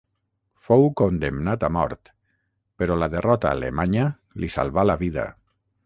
Fou condemnat a mort, però la derrota alemanya li salvà la vida.